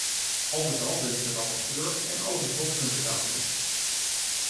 Al met al wil ik de rapporteur en alle betrokkenen bedanken.